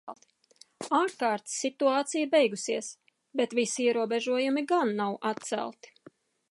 Ārkārtas situācija beigusies, bet visi ierobežojumi gan nav atcelti.